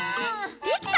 できた！